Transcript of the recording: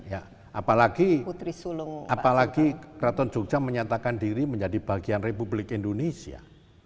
ya apalagi keraton jogja menyatakan diri menjadi bagian republik indonesia